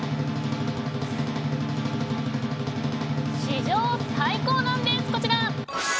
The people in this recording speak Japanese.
史上最高なんです、こちら。